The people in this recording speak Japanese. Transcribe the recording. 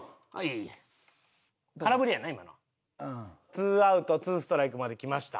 ツーアウトツーストライクまできました。